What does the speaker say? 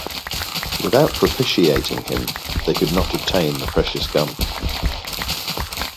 Without propitiating him they could not obtain the precious gum.